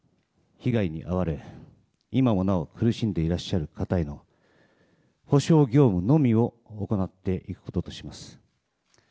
被害に遭われ、今もなお苦しんでいらっしゃる方への補償業務のみを行っていくこととします。